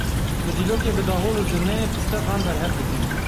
Li Dîlokê bi dahol û zirneyê fisteqan berhev dikin.